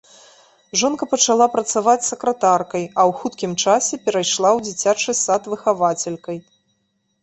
Жонка пачала працаваць сакратаркай, а ў хуткім часе перайшла ў дзіцячы сад выхавацелькай.